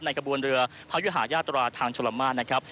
กระบวนเรือพระยุหายาตราทางชลมาตรนะครับ